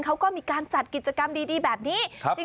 เขาก็มีการจัดกิจกรรมดีแบบนี้